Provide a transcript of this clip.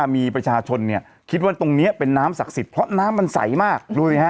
มีประชาชนคิดว่าตรงนี่เป็นน้ำศักดิ์ศิษย์เพราะน้ำมันใสมาก